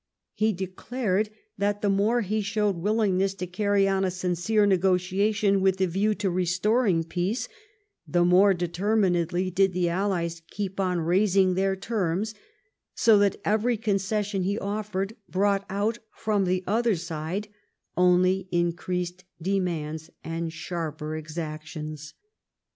He declared that the more he showed willingness to carry on a sincere negotiation with the view of restoring peace, the more determinedly did the allies keep on raising their terms, so that every concession he offered brought out from the other side only increased demands and sharper exactions.